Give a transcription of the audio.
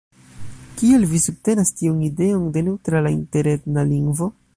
Kial vi subtenas tiun ideon de neŭtrala interetna lingvo?